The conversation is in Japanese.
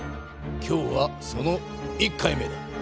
今日はその１回目だ。